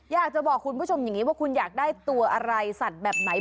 อยากจะบอกคุณผู้ชมอย่างนี้ว่าคุณอยากได้ตัวอะไรสัตว์แบบไหน